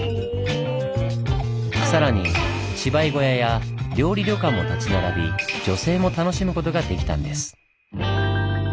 さらに芝居小屋や料理旅館も建ち並び女性も楽しむことができたんです。